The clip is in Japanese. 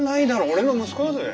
俺の息子だぜ。